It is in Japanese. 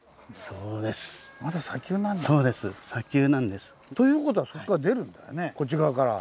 そうです砂丘なんです。という事はそこから出るんだよねこっち側から。